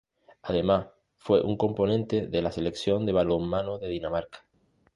Además, fue un componente de la Selección de balonmano de Dinamarca.